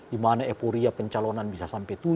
dimana euforia pencalonan bisa sampai tujuh